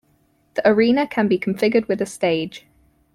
The arena can be configured with a stage.